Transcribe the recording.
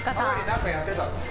何かやってたの？